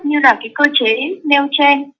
như là cơ chế neo chain